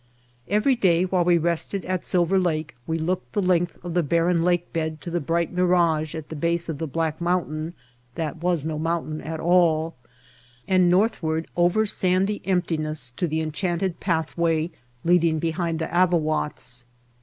Every day while we rested at Silver Lake we looked the length of the barren lake bed to the bright mirage at the base of the black mountain that was no mountain at all, and northward over sandy emptiness to the enchanted pathway lead The End of the Adventure ing behind the Avawatz.